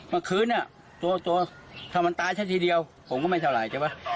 เมื่อคืนตัวถ้ามันตายซะทีเดียวผมก็ไม่เท่าไหร่ใช่ไหม